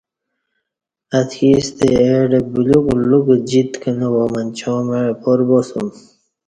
اتکی ستہ اڈہ بلیوک لوکہ جِت کنہ وا منچاں مع اپار باسوم